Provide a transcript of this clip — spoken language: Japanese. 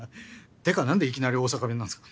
ていうかなんでいきなり大阪弁なんですか？